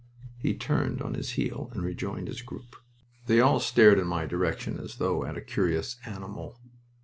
He turned on his heel and rejoined his group. They all stared in my direction as though at a curious animal.